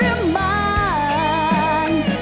ไม่ต้องการ